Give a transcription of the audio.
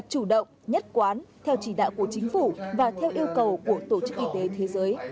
chủ động nhất quán theo chỉ đạo của chính phủ và theo yêu cầu của tổ chức y tế thế giới